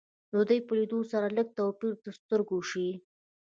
د دوی په لیدو سره لږ توپیر تر سترګو شي